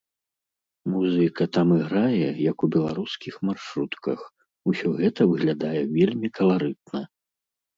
Музыка там іграе, як у беларускіх маршрутках, усё гэта выглядае вельмі каларытна.